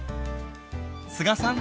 須賀さん